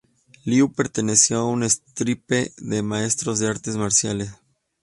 Liu perteneció a una estirpe de maestros de artes marciales.